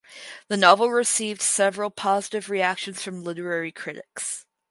The novel received several positive reactions from literary critics.